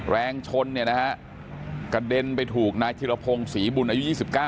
แรงชนเนี่ยนะฮะกระเด็นไปถูกนายธิรพงศรีบุญอายุ๒๙